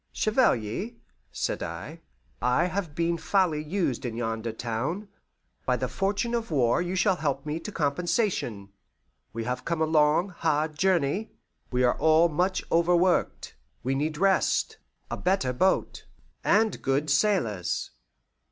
"Chevalier," said I, "I have been foully used in yonder town; by the fortune of war you shall help me to compensation. We have come a long, hard journey; we are all much overworked; we need rest, a better boat, and good sailors.